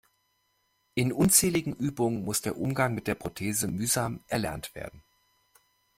In unzähligen Übungen muss der Umgang mit der Prothese mühsam erlernt werden.